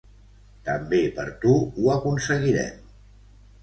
També per tu ho aconseguirem.